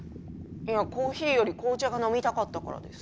いやコーヒーより紅茶が飲みたかったからです。